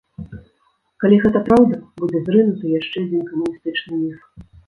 Калі гэта праўда, будзе зрынуты яшчэ адзін камуністычны міф.